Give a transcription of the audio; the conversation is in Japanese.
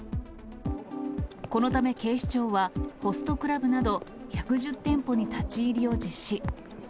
このため警視庁は、ホストクラブなど１１０店舗に立ち入りを実施。